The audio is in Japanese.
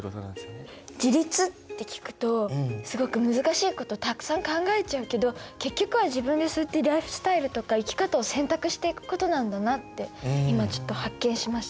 自立って聞くとすごく難しいことたくさん考えちゃうけど結局は自分でそういってライフスタイルとか生き方を選択していくことなんだなって今ちょっと発見しました。